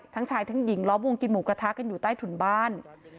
ทั้งชายทั้งหญิงล้อมวงกินหมูกระทะกันอยู่ใต้ถุนบ้าน